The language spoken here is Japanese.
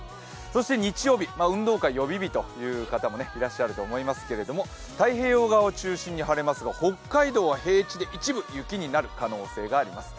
日曜日、運動会予備日という方もいらっしゃると思いますけれども太平洋側を中心に晴れますが北海道は平地で一部雪になる可能性があります。